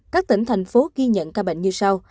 các tỉnh thành phố ghi nhận ca bệnh như sau